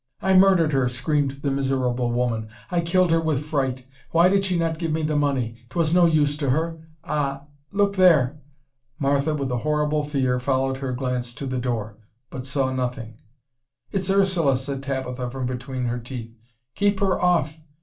"I murdered her," screamed the miserable woman, "I killed her with fright. Why did she not give me the money? 'Twas no use to her. Ah! Look there!" Martha, with a horrible fear, followed her glance to the door, but saw nothing. "It's Ursula," said Tabitha from between her teeth. "Keep her off!